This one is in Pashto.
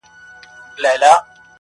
بدي دي وکړه، د لويه کوره.